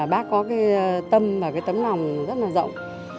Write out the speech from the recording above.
bác có cái tâm và cái tấm lòng rất là rộng